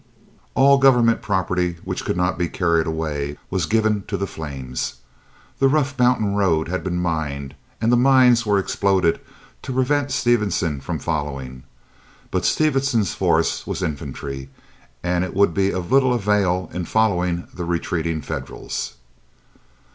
All government property which could not be carried away was given to the flames. The rough mountain road had been mined, and the mines were exploded to prevent Stevenson from following. But as Stevenson's force was infantry, it would be of little avail in following the retreating Federals.